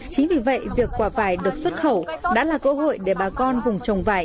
chính vì vậy việc quả vải được xuất khẩu đã là cơ hội để bà con vùng trồng vải